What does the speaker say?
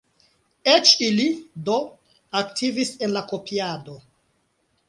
Eĉ ili, do, aktivis en la kopiado.